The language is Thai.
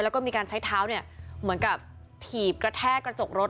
แล้วก็มีการใช้เท้าเนี่ยเหมือนกับถีบกระแทกกระจกรถ